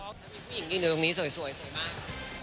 ถ้ามีผู้หญิงยืนอยู่ตรงนี้สวยมาก